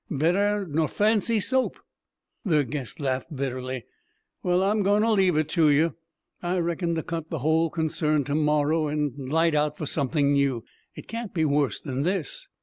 "Better nor fancy soap." Their guest laughed bitterly. "Well, I'm going to leave it to you. I reckon to cut the whole concern to morrow, and 'lite' out for something new. It can't be worse than this."